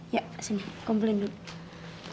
yuk sini kumpulin dulu